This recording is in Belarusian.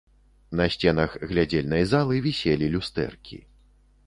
На сценах глядзельнай залы віселі люстэркі.